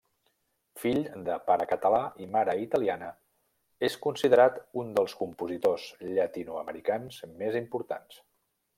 Fill de pare català i mare italiana, és considerat un dels compositors llatinoamericans més importants.